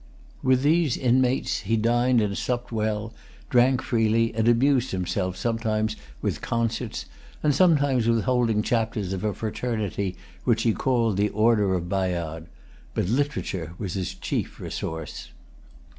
With these inmates he dined and supped well, drank freely, and amused himself sometimes with concerts, and sometimes with holding chapters of a fraternity which he called the Order of Bayard; but literature was his chief resource.